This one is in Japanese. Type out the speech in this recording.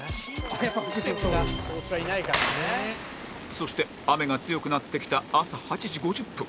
そして雨が強くなってきた朝８時５０分